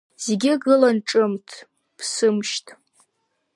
Зегьы гылан ҿымҭ-ԥсымшьҭ.